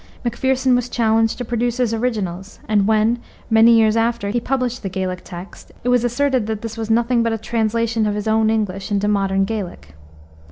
Macpherson was challenged to produce his originals, and when, many years after, he published the Gaelic text, it was asserted that this was nothing but a translation of his own English into modern Gaelic.